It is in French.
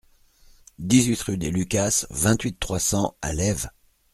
dix-huit rue des Lucasses, vingt-huit, trois cents à Lèves